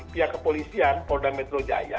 pihak kepolisian polda metro jaya